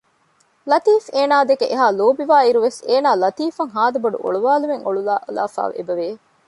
ލަތީފް އޭނާ ދެކެ އެހާ ލޯބިވާއިރުވެސް އޭނާ ލަތީފްއަށް ހާދަބޮޑު އޮޅުވާލުމެއް އޮޅުވާލާފައި އެބަވެ